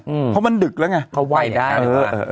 เพราะมันดึกแล้วไงเขาไหว้ได้เถอะ